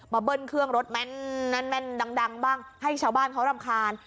เบิ้ลเครื่องรถแม่นดังบ้างให้ชาวบ้านเขารำคาญ